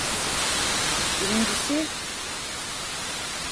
Birincisi…